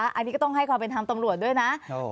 อันนี้ก็ต้องให้ความเป็นธรรมตำรวจด้วยนะ